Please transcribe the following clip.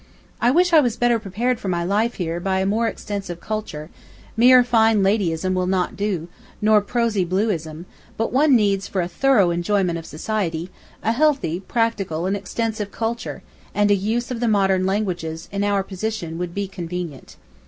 I wish I was better prepared for my life here by a more extensive culture; mere fine ladyism will not do, or prosy bluism, but one needs for a thorough enjoyment of society, a healthy, practical, and extensive culture, and a use of the modern languages in our position would be convenient.